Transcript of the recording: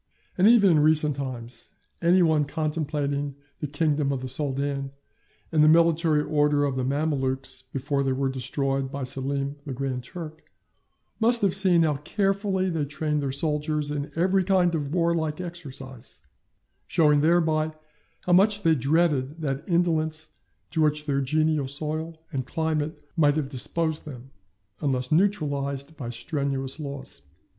And even in recent times, any one contemplating the kingdom of the Soldan, and the military order of the Mamelukes before they were destroyed by Selim the Grand Turk, must have seen how carefully they trained their soldiers in every kind of warlike exercise; showing thereby how much they dreaded that indolence to which their genial soil and climate might have disposed them, unless neutralized by strenuous laws.